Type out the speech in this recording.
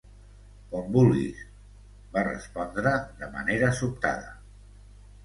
"Com vulguis", va respondre de manera sobtada.